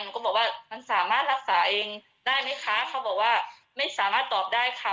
ก็บอกว่ามันสามารถรักษาเองได้ไหมคะเขาบอกว่าไม่สามารถตอบได้ค่ะ